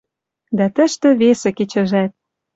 Дӓ тӹштӹ весӹ кечӹжӓт.